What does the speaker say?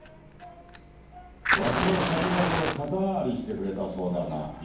ワシの借財を肩代わりしてくれたそうだな。